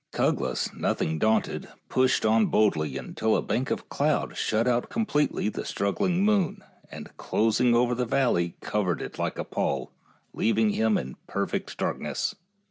Cuglas, nothing daunted, pushed on boldly until a bank of cloud shut out completely the struggling moon, and closing over the valley cov ered it like a pall, leaving him in perfect dark ness.